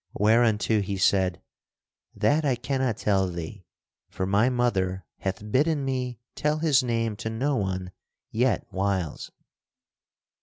Whereunto he said: "That I cannot tell thee for my mother hath bidden me tell his name to no one yet whiles."